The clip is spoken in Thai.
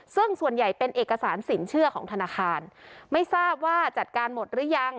ซึ่งส่วนใหญ่เป็นเอกสารสินเชื่อของธนาคารไม่ทราบว่าจัดการหมดหรือยัง